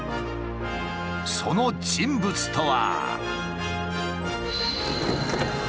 その人物とは。